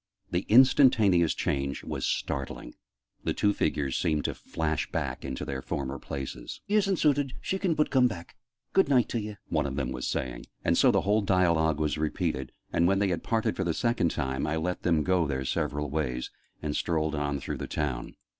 The instantaneous change was startling: the two figures seemed to flash back into their former places. " isn't suited, she can but coom back. Good night t'ye!" one of them was saying: and so the whole dialogue was repeated, and, when they had parted for the second time, I let them go their several ways, and strolled on through the town.